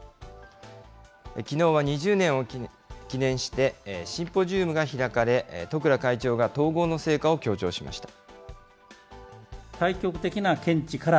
きのうは２０年を記念して、シンポジウムが開かれ、十倉会長が統合の成果を強調しました。